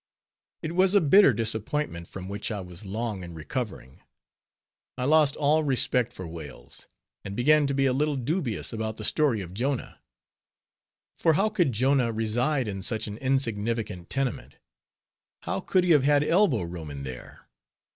It was a bitter disappointment, from which I was long in recovering. I lost all respect for whales; and began to be a little dubious about the story of Jonah; for how could Jonah reside in such an insignificant tenement; how could he have had elbow room there?